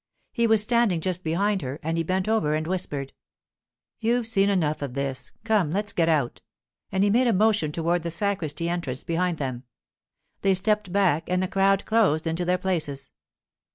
He was standing just behind her, and he bent over and whispered: 'You've seen enough of this. Come, let's get out,' and he made a motion toward the sacristy entrance behind them. They stepped back, and the crowd closed into their places.